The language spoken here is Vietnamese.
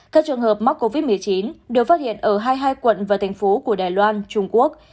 các trường hợp mắc covid một mươi chín đều phát hiện ở hai mươi hai quận và thành phố của đài loan trung quốc